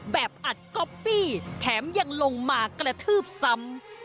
แบบอัดก๊อปปี้แถมยังลงมากระทืบซ้ำ